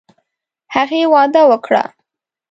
هغې وعده وکړه.